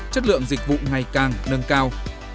chất lượng dịch vụ ngày càng nâng cao